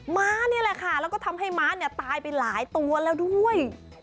ม้านี่แหละค่ะแล้วก็ทำให้ม้าเนี่ยตายไปหลายตัวแล้วด้วย